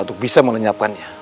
untuk bisa melenyapkannya